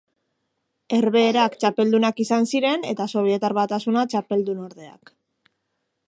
Herbehereak txapeldunak izan ziren eta Sobietar Batasuna txapeldunordeak.